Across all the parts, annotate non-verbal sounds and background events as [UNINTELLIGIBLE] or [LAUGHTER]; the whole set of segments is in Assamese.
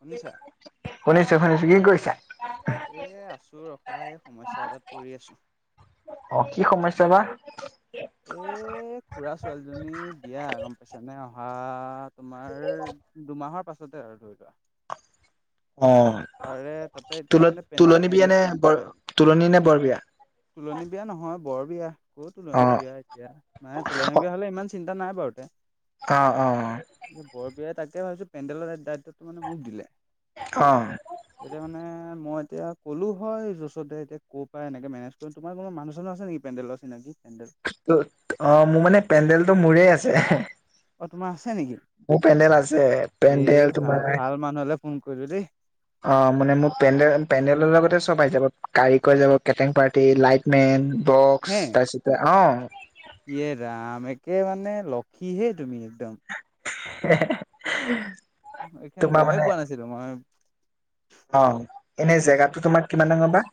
শুনিছা শুনিছোঁ, শুনিছোঁ, কি কৰিছা? এই আছোঁ ৰ'। নাই এই সমস্যা এটাত পৰি আছোঁ। অ কি সমস্যা বা এ খুৰা ছোৱালীজনী বিয়া, গ'ম পাইছানে অহা তোমাৰ দুমাহৰ পাছতে আৰু ধৰি লোৱা। অ', তাৰে তাতে এতিয়া মানে পেন তুল-তোলনি বিয়া পেণ্ডেল নে বৰ তোলনি নে বৰ বিয়া? তোলনী বিয়া নহয় বৰ বিয়া। ক'ত অ তোলনি বিয়া এতিয়া মানে তোলনি বিয়া হ'লে ইমান চিন্তা নাই বাৰুতে। অ', অ', অ'। বৰ বিয়াই তাকে ভাবিছো পেণ্ডেলৰ দায়িত্বটো মানে মোক দিলে। অ'। এতিয়া মানে মই এতিয়া ক'লো হয় য'চতে এতিয়া ক' পৰা এনেকে মেনেজ তোমাৰ কোনো মানুহ চানুহ আছেঁ নেকি, পেণ্ডেলৰ চিনাকি পেন্ডেল? ত' অ', মোৰ মানে পেণ্ডেল তটো মোৰে আছেঁ। অ তোমাৰ আছে নেকি মোৰ পেণ্ডেল আছে এই পেণ্ডেল ভাল তোমাৰ ভাল মানুহলে ফোন কৰিলো দেই অ', মানে মোৰ পেণ্ডেল পেণ্ডেলৰ লগতে চব আহি যাব কাৰিকৰ যাব, কেটাৰিং পাৰ্টি লাইটমেন। বক্স হে তাৰপিছতে অ'। ইয়ে ৰাম একে মানে লক্ষীহে তুমি একদম। [INAUDIBLE] এইখন তোমাৰ গ'মে মানে পোৱা নাছিলো মই। অ', এনে জেগাতো তোমাৰ কিমান ডাঙৰ বা?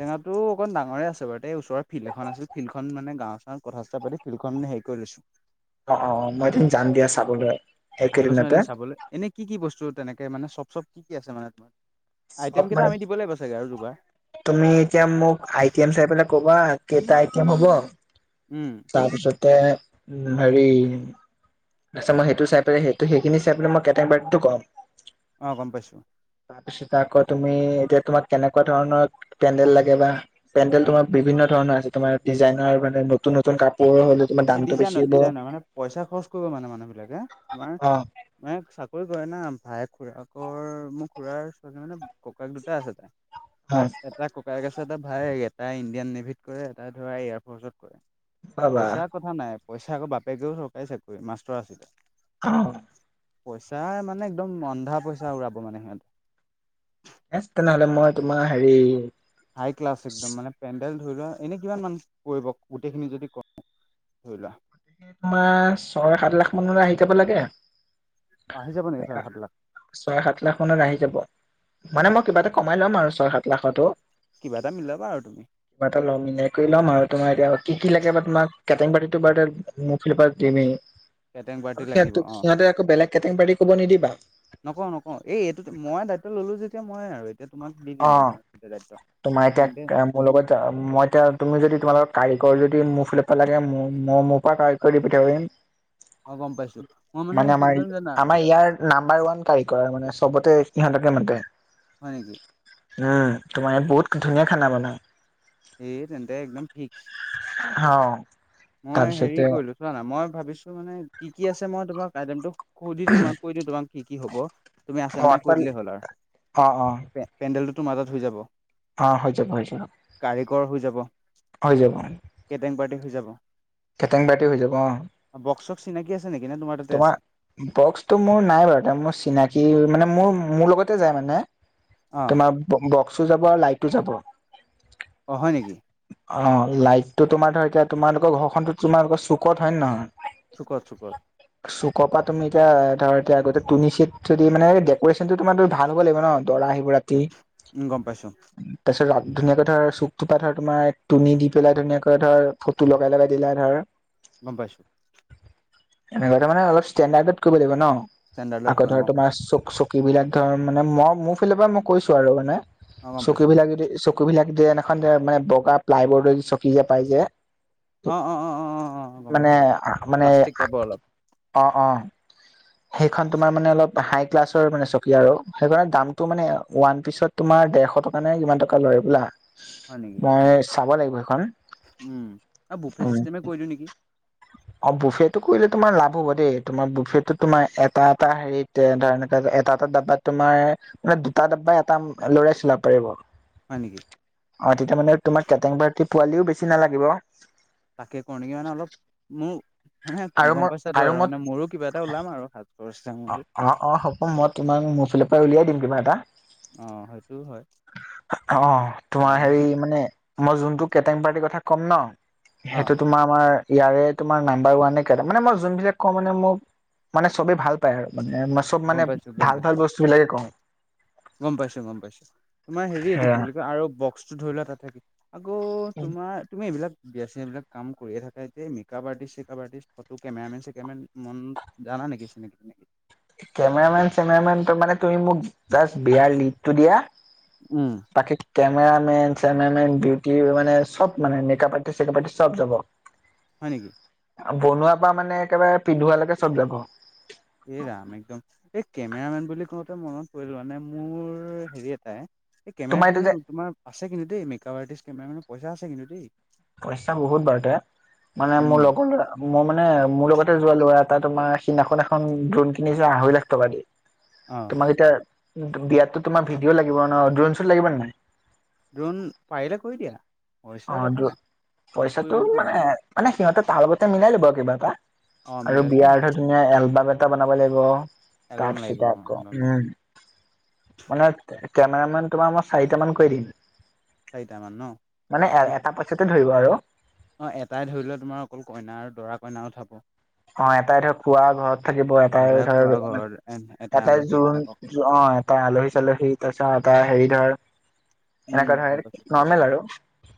জেগাটো অকণ ডাঙৰে আছে বাৰু, এই ওচৰ ফিল্ড এ আছিলিল্ডখন মানে গাঁৱৰ-চাঁওত কথা চথা পাতি ফিল্ডখন হেৰি কৰি লৈছো। অ', অ', মই এদিনি যাম দিয়া চাবলৈ। আহি পাচোন একেদিনতে এদিন চাবলৈ এনে, কি কি বস্তু তেনেকে মানে চব চব কি কি আছে মানে তোমাৰ? আইটেম চব কেইটা মানে আমি দিব লাগিব চাগে আৰু যোগাৰ? তুমি এতিয়া মোক আই টি এম চাই পেলাই কবা কেইটা আই টি এম হ'ব। উম। তাৰপিছতে উম, হেৰি তাৰপিছত মই সেইটো চাই সেই সেইখিনি চাই পাই মই কেটাৰিং পাৰ্টিটো কম। অ', গ'ম পাইছো। তাৰপিছত আকৌ তুমি এতিয়া তোমাক কেনেকুৱা ধৰণৰ পেডেল লাগে বা? পেণ্ডেল তোমাৰ বিভিন্ন ধৰণৰ আছে, তোমাৰ ডিজাইনৰ মানে নতুন নতুন কাপোৰ হ'লে তোমাৰ সেই দামটো বেছি ডিজাইনৰ হ'ব ডিজাইনৰ মানে পইচা খৰচ কৰিব মানে মানুহ বিলাকে, তোমাৰ অ মানে চাকৰি কৰে না ভাইেক খুৰাকৰ মোৰ খুুৰাৰ ছোৱালী জনী মানে ককায়েক দুটা আছে তাইৰ। হয়। এটা ককায়েক আছে এটা ভাইয়েক এটা ইণ্ডিয়ান নেভিত কৰে এটাই ধৰা এয়াৰফ'ৰ্চত কৰে। পাবা পইচাৰ কথা নাই পইচা আকৌ বাপেকেও চৰকাৰী চাকৰি মাষ্টৰ আছিলে। অ'। পইচা মানে একদম অন্ধা পইচা উৰাব মানে সিহঁতে। এ' তেনেহ'লে মই তোমাৰ হেৰি হাই ক্লাছ একদম মানে- পেণ্ডেল ধৰি লোৱা এনেই কিমান মান কৰিব গোটেইখিনি যদি কৰো ধৰি লোৱা? তোমাৰ ছয়, সাত লাখ মানলৈ আহি যাব লাগে। বাহি যাব নেকি ছয়, সাত লাখ? ছয়, সাত লাখ মানত আহি যাব। মানে মই কিবা এটা কমাই ল'ম আৰু ছয়, সাত- লাখটো। কিবা এটা মিলাবা আৰু তুমি কিবা এটা ল'ম মিলাই কৰি ল'ম আৰু। তোমাৰ এতিয়া কি কি লাগে বা তোমাক? কেটিং পো বাৰ- মোৰ ফালৰ পৰা বাৰু দিমেই। কেটাৰিং পাৰ্টি লাগিব অ। সিহঁত-সিহঁতে আকৌ বেলেগ কেটেং পাৰ্টি কৰিব নিদিবা। নকওঁ-নকওঁ। এইটোতো মই দায়িত্ব ল'লো যেতিয়া মই আৰু- তেতিয়া তোমাক অ দি-দিম মই ৰেটত, তোমাৰ তেন্তে এতিয়া মোৰ লগত যা' মই এতিয়া তুমি যদি তোমালোকত কাৰিকৰ যদি মোৰ ফালৰ পৰা লাগে মোৰ মই মোৰ পৰা কাৰিকৰ দি পঠিয়াব পাৰিবি অ গম পাইছো তই। মই মানে কি আমাৰ, কৰিম জানা আমাৰ ইয়াৰ- নাম্বাৰ ওৱান কাৰিকৰ মানে চবতে সিহঁতকে মাতে। হয় নেকি। উমঁ, তোমাৰ বহুত ধুনীয়া খানা বনাই। এই তেন্তে একদম ফিক্স। অঁহ'। মই হেৰি কৰিলো চোৱা না' মই ভাবিছো মানে কি কি আছে মই তোমাৰ আইটেমটোক সুধি দিওঁ মই, কৈ দিওঁ তোমাক কি কি হ'ব, তুমি আছা নে অ নাই কৈ দিলেই হ'ল অ অ আৰু। পেণ্ডেলটোতো মাজত হৈ যাব। অঁহ', -হৈ যাব-হৈ যাব। কাৰিকৰ হৈ যাব। হৈ যাব। কেটেং পাৰ্টি হৈ যাব। কেটেং পাৰ্টি হৈ যাব অঁ',। বক্স-চক্স চিনাকি আছে নেকি না তোমাৰ তা'তে আছে? বক্সটো মোৰ নাই বাৰু মোৰ চিনাকি মানে মোৰ-মোৰ লগতে যায় মানে। অ তোমাৰ বক্সো যাব আৰু লাইটো যাব। অ', -হয় নেকি। অঁ', লাইটো তোমাৰ ধৰ এতিয়া তোমালোকৰ ঘৰখনতো তোমালোকৰ চুকত হয় নে নহয়? চুকত-চুকত। চুক পৰা তুমি এতিয়া ধৰ এতিয়া তুনি চিত যদি মানে ডেক'ৰেচনটো তোমাৰ ভাল হ'ব লাগিব ন' দৰা আহিব ৰা- তি। উমঁ, গম পাইছো। তাৰপিছত ধুনীয়াকে ধৰ চুকটোপা ধৰ তোমাৰ তুনি দি পেলাই ধুনীয়াকে ধৰ ফটো লগাই-লগাই দিলে ধৰ গম পাইছো। এনেকুৱো মানে অলপ ষ্টেণ্ডাৰ্ড কৰিব লাগিব ন' ষ্টেণ্ডাৰ্ডত আকৌ কৰিম ধৰ অ তোমাৰ চুক-চুক- চকী বিলাক ধৰ মানে মই মোৰ ফালৰ পৰা মই কৈছো আৰু মানে, অ গম পাইছো চকী বিলাক যদি- চকীবিলাক যে এখন মানে বগা প্লাই বৰ্ড চকি যে পাই যে। অ অ অ অ অ অ গম মানে, পাইছো গম পাইছো মানে, প্লাষ্টিক আ' টাইপৰ অলপ অঁহ', -অঁহ',। সেইখন তোমাৰ মানে অলপ হাই ক্লাছৰ মানে চকী আৰু, সেইবিলাক দামটো মানে ওৱান পিচত- তোমাৰ দেৰশ টকা নে কিমান টকা লয় বোলে মই চাব লাগিব সেইখন। উমঁ, এই বুফে চিষ্টেমত কৰি দিওঁ নেকি। অঁ', -বুফেটো কৰিলে তোমাৰ লাভ হ'ব দেই, তোমাৰ বুফে তোমাৰ এটা-এটা হেৰিত এ' ধৰ এটা-এটা ডাবাত তোমাৰ মানে দুটা ডাবা এটা ল'ৰাই চিলাব পাৰিব। হয় নেকি! অ, তেতিয়া মানে তোমাৰ, কেটাৰিং পাৰ্টি পোৱালিও বেছি নালাগিব। তাকে কৰো নেকি মানে অলপ, মোৰ মানে আৰু গম মই পাইছাটো আৰু, মই মানে মোৰো কিবা এটা ওলাম আৰু হাতত। অ, অ, অ, হ'ব, মই তোমাক মোৰ ফালৰ পৰাই উলিয়াই দিম কিবা এটা। অ সেইটো হয় অ, তোমাৰ হেৰি আহ মানে মই যোনটো কেটাৰিং পাৰ্টিৰ কথা ক'ম ন, অ সেইটো তোমাৰ আমাৰ ইয়াৰে তোমাৰ নাম্বাৰ ওৱানে কে, মানে মই যোনবিলাক কওঁ মানে মোক মানে চবেই ভাল পায় আৰু, মানে চব গম মানে পাইছো গম পাইছো ভাল-ভাল বস্তু বিলাকে কওঁ। গম পাইছো, গম পাইছো। তোমাৰ হেৰি এইটো সেয়া কি বুলি কয়, আৰু বক্সটো ধৰি লোৱা তাত থাক আকৌ তোমাৰ, তুমি এইবিলাক বিয়া-চিয়া এইবিলাক কাম কৰিয়েই থাকা যেতিয়া, মেকআপ আৰ্টিষ্ট-চেকাবআৰ্টিষ্ট, ফটো কেমেৰামেন-চেকেৰামেন মন জানা নেকি, চিনাকি-তিনাকি। কেমেৰামেন-চেমেৰামেন, মানে তুমি মোক জাজ বিয়াৰ লিডটো দিয়া উম। বাকী কেমেৰামেন-চেমেৰামেন, বিউটি মানে চব মানে, মেকআপ আৰ্টিষ্ট-চেকাব আটিষ্ট চব যাব। [INAUDIBLE] হয় নেকি! বনোৱাৰ পৰা মানে, একেবাৰে পিন্ধুৱালৈকে চব যাব। এ ৰাম, একদম, এই কেমেৰামেন বুলি কওঁতে মনত পৰিল, মানে মোৰ হেৰি এটাই এই তোমাৰ কেমেৰাত এইটো কিন্তু যে তোমাৰ আছে কিন্তু দেই, মেকআপ আৰ্টিষ্ট, কেমেৰা মেনৰ পইচা আছে কিন্তু দেই। পইচা বহুত বাৰুতে, মানে মোৰ উম। লগৰ ল'ৰা মই মানে মোৰ লগতে যোৱা ল'ৰা এটা, তোমাৰ, সিদিনাখন এখন ড্ৰোন কিনিছে, আঢ়হি লাখ টকা দি। [INAUDIBLE] অঁ। তোমাক এতিয়া, বিয়াতো তোমাৰ ভিডিঅ' লাগিব ন, ড্ৰন-শুন লাগিব নে নাই। ড্ৰোন পাৰিলে কৰি দিয়া, অ পইচা কথা ড্ৰ- নাই। খৰচ কৰিব পইচাটো না মানে, মানুহ। মানে সিহঁতে তাৰ লগতে মিলাই ল'ব আৰু কিবা এটা। অ আৰু মিলাই ললেই হ'ল বিয়াৰটো ধুনীয়া এলবাম এটা বনাব লাগিব, এলবাম তাৰ লাগিব অ পিছতে আকৌ, এলবাম উম মানে কেমেৰা মেন তোমাৰ মই চাৰিটা মান কৈ দিম। চাৰিটা মান ন! মানে এ এটা পইচাতে ধৰিব আৰু। অঁ, এটাই ধৰি লোৱা তোমাৰ, অকল কইনা আৰু দৰা কইনা উঠাব। অ, এটাই ধৰ, খোৱা ঘৰত থাকিব, এটাই ধৰ খোৱা ঘৰ এটা এটাই আলহী জোৰোণ। বিলাকক অ, এটা আলহী-চালহী, তাৰপিছত এটা হেৰি ধৰ উম এনেকুৱা গম ধৰ পাইছো গম পাইছো নৰ্মেল গম আৰু। পাইছো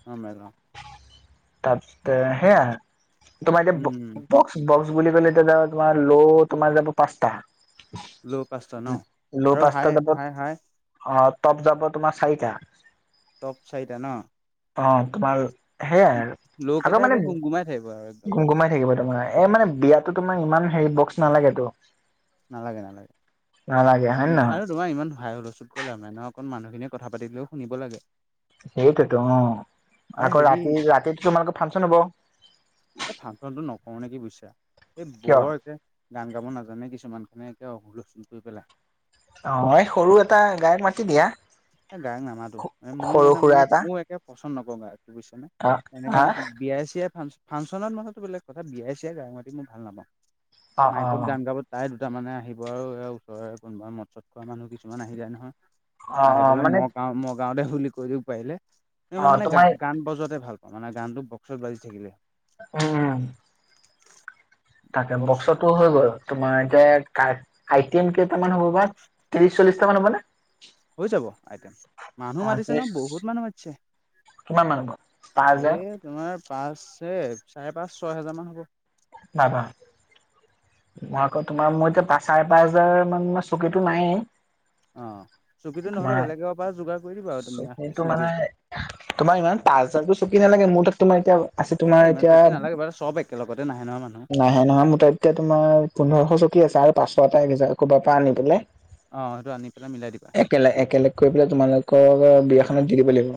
নৰ্মেল অ তাৰপিছতে সেয়া, তোমাৰ উম এতিয়া বক্স বুলি ক'লে, এতিয়া [UNINTELLIGIBLE] তোমাৰ ল' তোমাৰ যাব পাঁচটা। ল' পাঁচটা ন, ল' আৰু পাঁচটা হাই, যাব হাই, হাই? অ, তপ যাব তোমাৰ চাৰিটা। তপ চাৰিটা ন! অ, তোমাৰ সেইয়াই, আৰু লোককেইটা মানে একে গুমগুমাই থাকিব আৰু একদম গুম-গুমাই থাকিব তোমাৰ। এ, মানে বিয়াতো তোমাৰ ইমান হেৰি বক্স নালাগেতো। নালাগে, নালাগে। নালাগে হয় নে [UNINTELLIGIBLE] নহয় আৰু তোমাৰ ইমান হাই-হুলস্থুল কৰি লাভ নাই নহয়, অকণ মানুহখিনিয়ে কথা পাতিলেও শুনিব লাগে। সেইটোৱেতো অঁ, আৰু আকৌ হেৰি ৰাতি ৰাতিত তোমালোকৰ ফাংচন হ'ব। এই ফাংচনটো নকৰো নেকি বুজিছা এই কিয় বৰ একে গান গাব নাজানে কিছুমানখনে একে হুলস্থুল কৰি পেলাই। অ এই সৰু এটা গায়ক মাতি দিয়া এ গায়ক নামাতো এই মই সৰু মানে সুৰা মোৰ এটা মোৰ একে পচন্দ নকৰো গায়ক বুজিছানে। অ এনেকে হা মানে বিয়াই চিয়াই ফাং ফাংচনত মাতাতো বেলেগ কথা বিয়াই চিয়াই গায়ক মাতি মই ভাল নাপাওঁ। অ মাইকত অ গান গাব তাৰে দুটা মানে আহিব আৰু ওচৰৰে কোনোবা মদ চদ খোৱা মানুহ কিছুমান আহি যায় নহয়। অ আহি অ পেলাই মানে মই গাও মই গাওদে বুলি কৈ দিয়ক পাৰিলে অ মই মানে তোমাৰ গান গান বজোৱাতে ভাল মানে গানটো বক্সত বাজি থাকিলে। উম তাকে বক্স বক্সত হয় বাৰু তোমাৰ এতিয়া আইটেম কেইটামান হ'ব বা ত্ৰিশ চল্লিশটা মান হ'বনে? হৈ যাব আইটেম, মানুহ অ, মাতিছে ন ত্ৰিশ বহুত মানুহ মাতিছে। এ [UNINTELLIGIBLE] তোমাৰ পাঁচ চাৰে পাঁচ ছয় হেজাৰমান হ'ব বা বা মই আকৌ তোমাৰ মোৰ এতিয়া পাঁচ চাৰে পাঁচ হাজাৰ মান চকীতো নাহেই অ চকীতো নহ'লে বেলেগৰ পৰা যোগাৰ কৰি দিবা আৰু তুমি চিনাকি যেতিয়া তোমাক ইমান পাঁচ হেজাৰতো চকী নালাগে মোৰ তাত তোমাৰ এতিয়া আছে তোমাৰ ইমান এতিয়া চকী নালাগে বাৰু চব একেলগতে নাহে নহয় মানুহ। নাই নহয় মোৰ তাত এতিয়া তোমাৰ পোন্ধৰশ চকী আছে আৰু পাঁচশ এটা এক হেজাৰ ক'ৰবাৰ পৰা আনি পেলে অঁ সেইটো আনি পেলাই মিলাই দিবা। একলে একেলগ কৰি পেলাই তোমালোকৰ বিয়াখনত দি দিব লাগিব।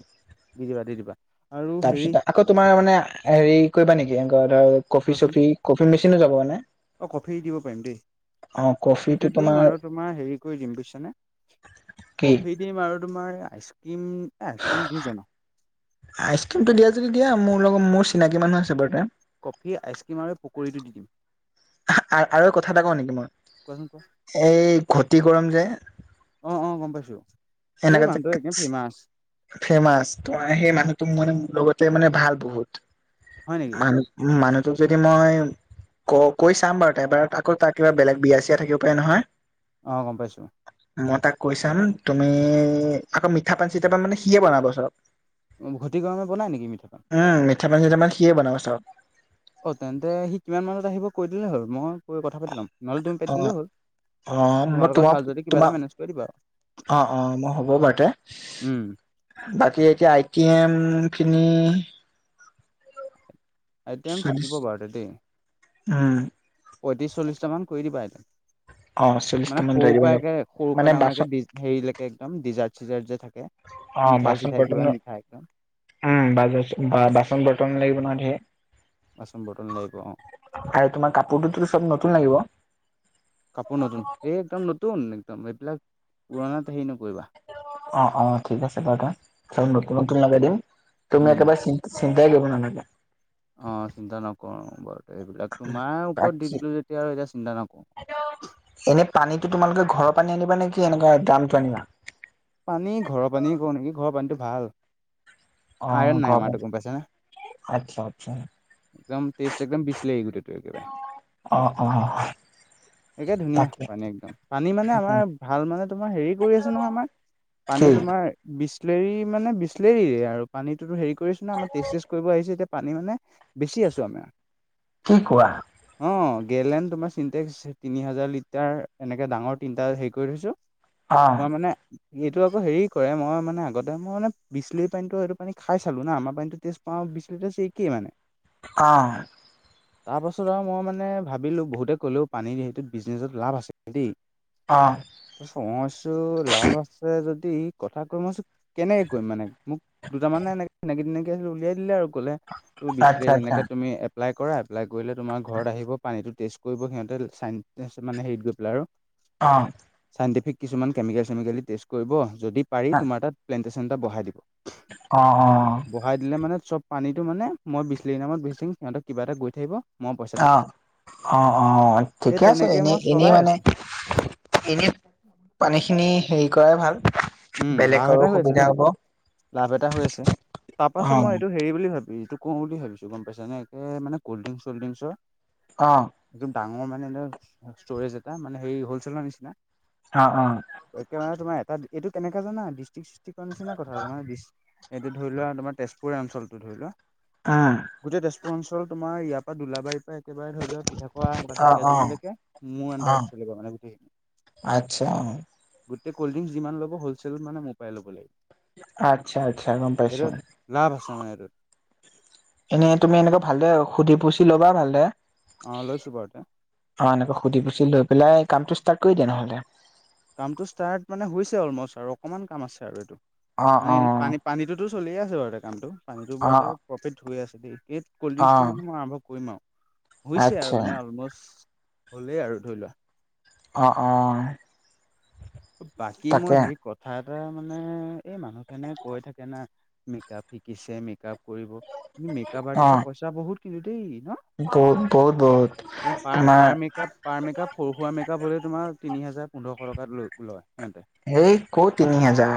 দি দিবা দি দিবা, আৰু হেৰি তাৰপিছত আকৌ তোমাৰ মানে হেৰি কৰিবা নেকি এনেকুৱা ধৰ কফি চফি কফি মেচিনো যাব মানে অঁ কফি দিব পাৰিম দেই। কফিটো দিম আৰু তোমাৰ হেৰি কৰি দিম বুজিছানে কি কফি দিম আৰু তোমাৰ আইচ ক্ৰীম এ আইচক্ৰীম দিম জানো আইচক্ৰীমটো দিয়া যদি দিয়া মোৰ লগত মোৰ চিনাকি মানুহ আছে বাৰু এটা কফি আইচক্ৰীম আৰু পকৰীটো দি দিম। আ আৰু কথা এটা কওঁ নেকি কোৱাচোন কোৱা মই এই ঘতি কৰম যে অ অ গম পাইছো। এই এনেকে মানুহটো একদম ফেমাচ ফেমাচ, তোমাৰ সেই মানুহটো মানে মোৰ লগতে মানে ভাল বহুত হয় নেকি? মানুহ উম মানুহটোক যদি মই ক কৈ চাম বাৰু তাক এবাৰ আকৌ তাৰ কিবা বেলেগ বিয়া চিয়া থাকিব পাৰে নহয় অঁ গম পাইছো। মই তাক কৈ চাম, তুমি আকৌ মিঠা পান চিটাপান মানে সিয়ে বনাব চব। ঘটি কৰমে বনাই নেকি মিঠাপান? উম মিঠাপান চিঠাপান সিয়ে বনাব চব। অ তেন্তে সি কিমান মানত আহিব কৈ দিলে হ'ল, মই কৈ কথা পাতি ল'ম নহলে তমি পাতি অ দিলও হ'ল। অ তোমাৰ মই লগত তোমাক ভাল যদি কিবা এটা তোমাৰ মেনেজ কৰি দিবা আৰু অ অ মই হ'ব বাৰু তে উম, বাকী এতিয়া আইটেম খিনি আইটেম চল্লিশ থাকিব বাৰু তে দেই। উম পঁয়ত্ৰিশ চল্লিশটা মান কৰি দিবা এতে, অ', চল্লিশটা মানে মান ধৰি সৰুৰ দিব পৰা লাগিব একে সৰুৰ মানে পৰা বাচন ডাঙৰ হেৰিলৈকে একদম ডিজাৰ্ট -চিজাৰ্ট যে থাকে, অ', মিঠাই বাচন -চিঠাই বৰ্তন কিবা মিঠাই একদম উম বা বাচন- বৰ্তন লাগিব নহয় ধেৰ বাচন -বৰ্তল লাগিব অ আৰু তোমাৰ কাপোৰটোতো চব নতুন লাগিব। কাপোৰ নতুন এই একদম নতুন একদম এইবিলাক পুৰণাত হেৰি নকৰিবা। অ অ ঠিক আছে বাৰু দা নতুন নতুন লগাই দিম। তুমি উম। একেবাৰে চিন্তাই কৰিব নালাগে। অ চিন্তা নকৰো বাৰু এইবিলাক তোমাৰ ওপৰত দি বাকী দিলো যেতিয়া আৰু এতিয়া চিন্তা নকৰো। এনে পানীতো তোমালোকে ঘৰৰ পানী আনিবা নেকি এনেকুৱা দামটো আনিবা? পানী ঘৰৰ পানীয়ে কওঁ নেকি ঘৰৰ পানীটো ভাল। অ', আয়ন নাই ঘৰৰ আমাৰটো পানী গম পাইছানে। আচ্ছা আচ্ছা একদম টেষ্ট একদম বিছলাৰি গোতেইটো আহ অ একে ধুনীয়া তাকে পানী একদম, পানী মানে আমাৰ ভাল মানে তোমাৰ হেৰি কৰি আছো নহয় আমাৰ কি পানী তোমাৰ বিচলেৰি মানে বিচলেৰিয়ে আৰু পানীটোতো হেৰি কৰিছ ন আমাৰ টেজ চেষ্ট কৰিব আহিছে, এতিয়া পানী মানে বেছি আছো আমাৰ কি কোৱা? অ গেলেন তোমাৰ চিটেক্স তিনি হাজাৰ লিটাৰ এনেকে ডাঙৰ তিনটা হেৰি কৰি থৈছো। অ', কোৱা মানে এইটো আকৌ হেৰি কৰে মই মানে আগতে মই মান বিচলেৰি পানীটো এইটো পানী খাই চালো না আমাৰ পানীতটো টেষ্ট অ [UNINTELLIGIBLE] একেই মানে অঁ তাৰপাছত আৰু মই মানে ভাবিলো বহুতে ক'লেও পানী সেইটোত বিজনেছত লাভ আছে দেই অ [UNINTELLIGIBLE] মইছো লাভ আছে যদি কথা কৈ মইছো কেনেকে কৰিম মানে মোক দুটা মানে এনে তেনেকে হ'লেও উলিয়াই দিলে আৰু কলে আচ্ছা, বিছলেৰি আচ্ছা, এনেকে তুমি এপ্লাই কৰা এপ্লাই কৰিলে তোমাৰ ঘৰত আহিব পানীতো টেষ্ট কৰিব সিহঁতে চা ত মানে হেৰিত গৈ পেলাই আৰু অঁ চাইণ্টিফিক কিছুমান কেমিকেল চেমিকেলি টেষ্ট কৰিব যদি পাৰি অ', তোমাৰ তাত প্লেণ্টেশ্যন এটা বহাই দিব। অ অ বহাই দিলে মানে চব পানীতটো মানে মই বিচলিৰীৰ নামত বেচিম সিহঁতত কিবা এটা গৈ থাকিব। মই পইচাটো অ পাই থাকিম। অ অ এই ঠিকে আছে তেনেকে এনেই মই এনে চলাই মানে আছো এনে পানীখিনি হেৰি কৰাই ভাল। উম লাভ বেলেগৰো এটা হৈ আছে সুবিধা ন, হ'ব অ', লাভ এটা হৈ আছে। তাৰপিছত মই এইটো হেৰি বুলি ভাবি এইটো কওঁ বুলি ভাবিছো গম পাইছ নে একে মান কল্ডড্ৰিংকচ - চলড্ৰিংকচৰ অ একদম ডাঙৰ মানে ষ্টৰেজ এটা মানে হে হলচেলৰ নিচিনা অ অ ত মানে তোমাৰ এটা এইটো কেনেকা জান ডিষ্ট্ৰিক্ষ্টিক্ নিচিনা কথা জানে এইটো ধৰি লোৱা তোমাৰ তেজপুৰীয়া অঞ্চলটো ধৰি লোৱা আ গোটেই তেজপুৰ অঞ্চল তোমাৰ ইয়াৰ পৰা দোলাবাৰীৰ পৰা একেবাৰে ধৰি লও পিঠা খোৱা বা অ', ঢেকীয়া অ', জুলিলৈকে, মোৰ অ', আডাৰত চলিব মানে গোটেইখিনি। আচ্ছা, গোটেই কল্ড ড্ৰিংক যিমান লব, হ'লচেলত মানে মোৰ পাই ল'ব লাগিব। আচ্ছা, আচ্ছা, গম পাইছো। এইটোত লাভ আছে নাই এইটোত? এনেই তুমি এনেকৈ ভালদৰে, সুধি পুচি ল'বা ভাল দৰে। অ লৈছোঁ বাও তে। অ এনেকে সুধি পুছি লৈ পেলাই, কামটো ষ্টাৰ্ট কৰি দিয়া নহ'লে। কামটো ষ্টাৰ্ট মানে হৈছে অলমষ্ট আৰু অকমান কাম আছে আৰু এইটো, অ', মানে এনে অ', পানী। পানীটোতো চলিয়ে আছে বাৰুতে কামটো, পানীটো বাৰুতে অ', প্ৰফিট হৈ আছে দেই। ক'ল্ড ড্ৰিংকচটো অ', মানে মই আৰম্ভ কৰিম আৰু, হৈছে আৰু আচ্ছা, মানে অলম'ষ্ট হ'লেই আৰু ধৰি লোৱা। অ' অ '। বাকী মই হেৰি কথা এটা মানে, এই মানুহখিনিয়ে কৈ থাকে না। মেকআপ শিকিছে মেকআপ কৰিব, মেকআপ অ'। আৰ্টিষ্টৰ পইচা বহুত কিন্তু দেই। ন? বহুত, বহুত, বহুত পাৰ তোমাৰ পাৰ মেকআপ, পাৰ মেকআপ, সৰু সুৰা মেকআপ হলে তোমাৰ তিনি হাজাৰ, পোন্ধৰশ টকাত লয়, লয় সিহঁতে। সেই কৰ তিনি হাজাৰ।